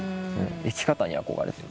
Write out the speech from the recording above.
生き方に憧れて。